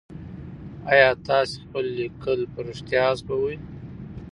آيا تاسي خپل ليکل په رښتيا حذفوئ ؟